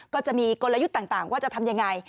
ก็จะมีกลยุทธ์ต่างว่าจะทำยังไง